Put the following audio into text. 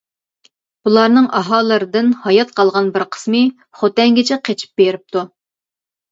بۇلارنىڭ ئاھالىلىرىدىن ھايات قالغان بىر قىسمى خوتەنگىچە قېچىپ بېرىپتۇ.